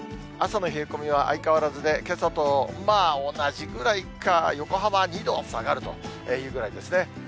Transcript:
朝の冷え込みは相変わらずで、けさとまあ、同じぐらいか、横浜２度下がるというぐらいですね。